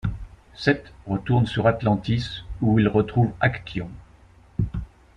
Seth retourne sur Atlantis, où il retrouve Actyon.